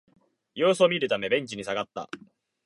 様子を見るためベンチに下がった